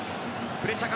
プレッシャー。